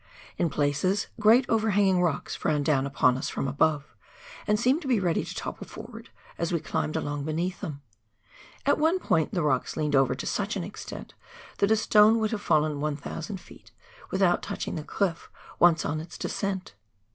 In places, great overhanging rocks frowned down at us from above, and seemed to be ready to topple forward as we climbed along beneath them ; at one point the rocks leaned over to such an extent that a stone would have fallen 1,000 ft. without touching the cliff once on its descent.